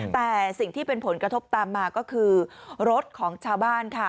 แต่สิ่งที่เป็นผลกระทบตามมาก็คือรถของชาวบ้านค่ะ